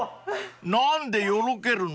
［何でよろけるの？］